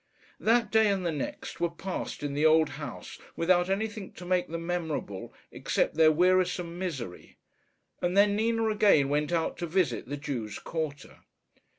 That day and the next were passed in the old house without anything to make them memorable except their wearisome misery, and then Nina again went out to visit the Jews' quarter.